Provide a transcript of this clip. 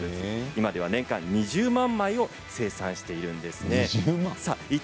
今では年間２０万枚を生産しているんです。